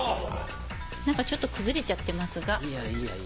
何かちょっと崩れちゃってますが。